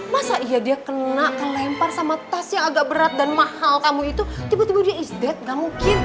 masa iya dia kena kelempar sama tas yang agak berat dan mahal kamu itu tiba tiba dia is dead gak mungkin